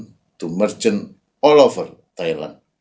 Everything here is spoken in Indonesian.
untuk penjualan di seluruh thailand